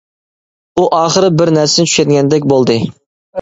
ئۇ ئاخىرى بىر نەرسىنى چۈشەنگەندەك بولدى.